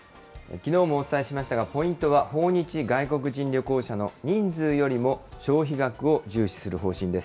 きのうもお伝えしましたが、ポイントは訪日外国人旅行者の人数よりも消費額を重視する方針です。